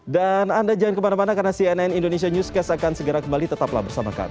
dan anda jangan kemana mana karena cnn indonesia newscast akan segera kembali tetaplah bersama kami